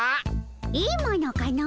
いいものかの？